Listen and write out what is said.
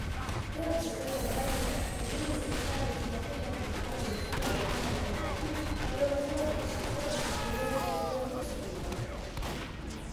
Teadlased tõid aga välja, et inimestel, kes vähendasid oma friikartulite tarbimist ühele või kahele korrale kuus, ei olnud suuremat riski suremiseks, kui neil, kes ei söönud üldse friikartuleid.